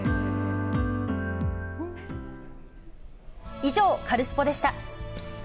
以上、カルスポっ！でした。